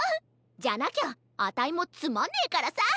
じゃなきゃあたいもつまんねえからさ！